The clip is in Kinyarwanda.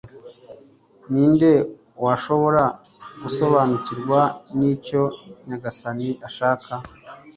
ni nde washobora gusobanukirwa n'icyo nyagasani ashaka